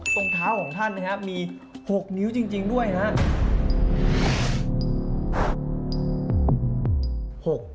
ตรงเท้าของท่านนะครับมี๖นิ้วจริงด้วยนะครับ